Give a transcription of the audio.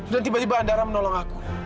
dan tiba tiba andara menolong aku